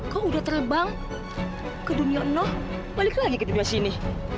kamu sudah terbang ke dunia enoh balik lagi ke dunia sini